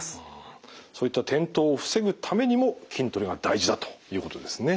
そういった転倒を防ぐためにも筋トレが大事だということですね。